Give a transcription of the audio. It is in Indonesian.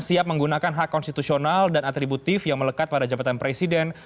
siap menggunakan hak konstitusional dan atributif yang melekat pada jabatan presiden